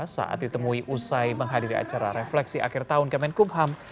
saat ditemui usai menghadiri acara refleksi akhir tahun kemenkumham